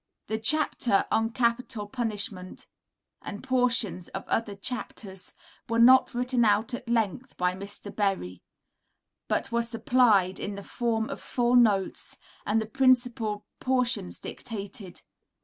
The chapter "On Capital Punishment," and portions of other chapters, were not written out at length by Mr. Berry, but were supplied in the form of full notes, and the principal portions dictated.